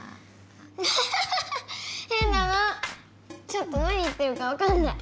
ちょっと何言ってるかわかんない。